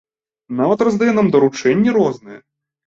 Нават раздае нам даручэнні розныя.